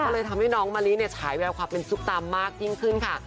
ก็เลยทำให้น้องมะลิเนี่ยฉายแววความเป็นซุปตามากยิ่งขึ้นค่ะ